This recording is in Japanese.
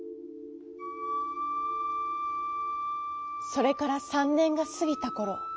それから３ねんがすぎたころ。